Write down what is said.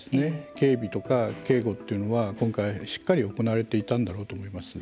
警備とか警護というのは今回、しっかり行われていたんだろうと思います。